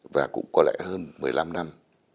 và cũng có lẽ hơn một mươi năm năm